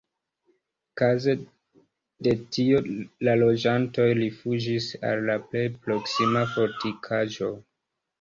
Kaze de tio la loĝantoj rifuĝis al la plej proksima fortikaĵo.